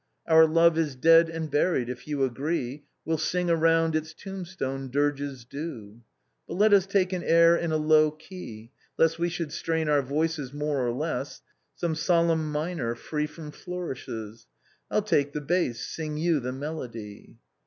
Our love is dead and buried; if you agree, We'll sing around its tombstone dirges due. " But let us take an air in a low key. Lest we should strain our voices, more or less; Some solemn minor, free from flourishes ; I'll take the bass, sing you the melody.